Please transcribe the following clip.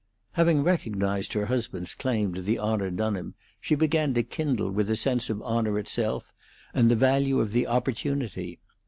Having recognized her husband's claim to the honor done him, she began to kindle with a sense of the honor itself and the value of the opportunity.